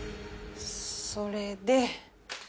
それで。